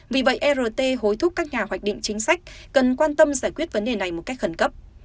vì vậy rt hối thúc các nhà hoạch định chính sách cần quan tâm giải quyết vấn đề này một cách khẩn cấp